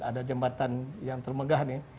ada jembatan yang termegah nih